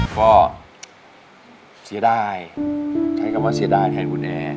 ก็เสียดายใช้คำว่าเสียดายแทนคุณแอร์